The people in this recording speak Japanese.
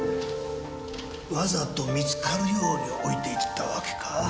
わざと見つかるように置いていったわけか？